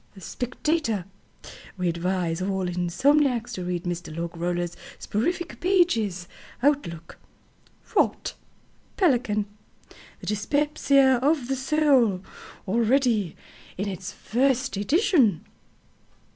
Spectator "We advise all insomniacs to read Mr. Logroller's soporific pages." Outlook "Rot." Pelican THE DYSPEPSIA OF THE SOUL Already in its first edition.